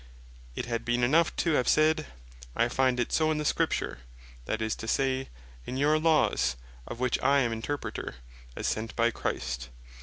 It had been enough to have said, I find it so in Scripture, that is to say, in your Laws, of which I am Interpreter, as sent by Christ.